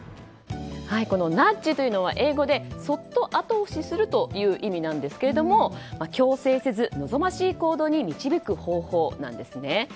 このナッジというのは英語でそっと後押しするという意味なんですけれども強制せず望ましい行動に導く方法なんですね。